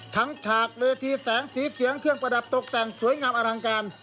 ฉากเวทีแสงสีเสียงเครื่องประดับตกแต่งสวยงามอลังการ